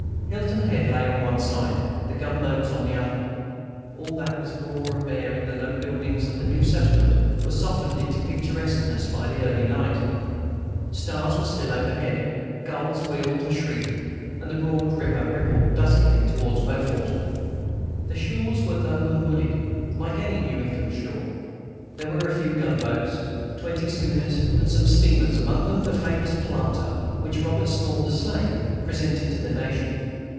Hilton Head lay on one side, the gunboats on the other; all that was raw and bare in the low buildings of the new settlement was softened into picturesqueness by the early light. Stars were still overhead, gulls wheeled and shrieked, and the broad river rippled duskily towards Beaufort. The shores were low and wooded, like any New England shore; there were a few gunboats, twenty schooners, and some steamers, among them the famous "Planter," which Robert Small, the slave, presented to the nation.